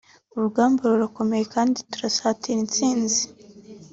urugamba rurakomeye kandi turasatira intsinzi